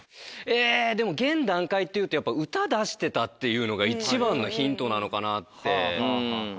えぇでも現段階っていうとやっぱ歌出してたっていうのが一番のヒントなのかなって。